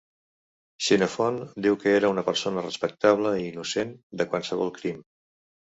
Xenofont diu que era una persona respectable i innocent de qualsevol crim.